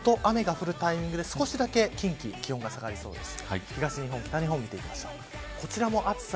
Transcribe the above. ざっと雨が降るタイミングで少しだけ気温が下がりそうです。